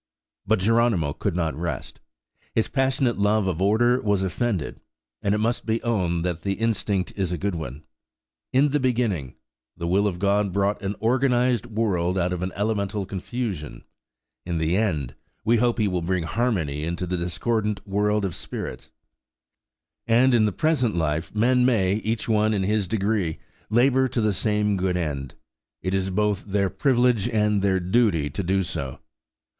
But Geronimo could not rest; his passionate love of order was offended; and it must be owned that the instinct is a good one. "In the beginning," the will of God brought an organised world out of elemental confusion. In the end, we hope He will bring harmony into the discordant world of spirits. And in the present life men may, each one in his degree, labour to the same good end. It is both their privilege and their duty to do so.